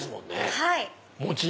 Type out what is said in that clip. はい。